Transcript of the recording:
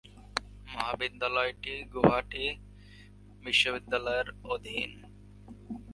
এই মহাবিদ্যালয়টি গুয়াহাটি বিশ্ববিদ্যালয়ের অধীন।